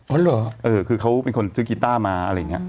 เหรอเออคือเขาเป็นคนซื้อกีต้ามาอะไรอย่างนี้